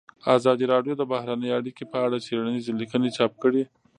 ازادي راډیو د بهرنۍ اړیکې په اړه څېړنیزې لیکنې چاپ کړي.